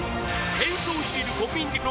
変装している国民的プロ